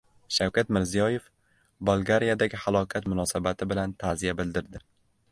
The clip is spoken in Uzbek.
Shavkat Mirziyoyev Bolgariyadagi halokat munosabati bilan ta’ziya bildirdi